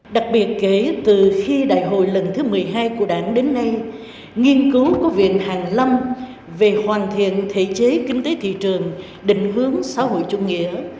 đặc biệt kể từ khi đại hội lần thứ một mươi hai của đảng đến nay nghiên cứu của viện hàn lâm về hoàn thiện thể chế kinh tế thị trường định hướng xã hội chủ nghĩa